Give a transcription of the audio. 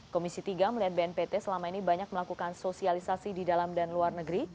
komisi tiga melihat bnpt selama ini banyak melakukan sosialisasi di dalam dan luar negeri